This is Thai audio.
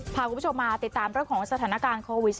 พาคุณผู้ชมมาติดตามเรื่องของสถานการณ์โควิด๑๙